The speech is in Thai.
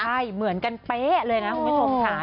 ใช่เหมือนกันเป๊ะเลยนะคุณผู้ชมค่ะ